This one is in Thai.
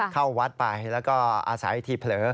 เข้าวัดไปแล้วก็อาศัยทีเผลอ